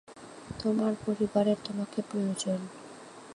তোমার পরিবারের তোমাকে প্রয়োজন।